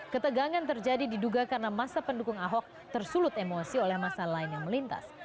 ketegangan terjadi diduga karena masa pendukung ahok tersulut emosi oleh masa lain yang melintas